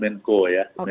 menko ya menko bartel